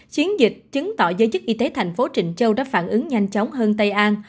chiến dịch chứng tỏ giới chức y tế thành phố trịnh châu đã phản ứng nhanh chóng hơn tây an